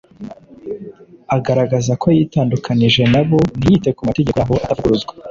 agaragaza ko yitandukanije na bo ntiyite ku mategeko yabo atavuguruzwa.